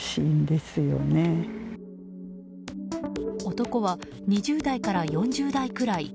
男は２０代から４０代くらい。